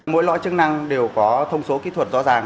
mỗi lõi chức năng đều có thông số kỹ thuật rõ ràng